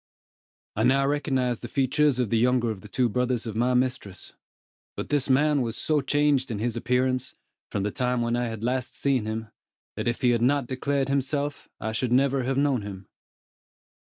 I now recognized the features of the younger of the two brothers of my mistress; but this man was so changed in his appearance, from the time when I had last seen him, that if he had not declared himself, I should never have known him.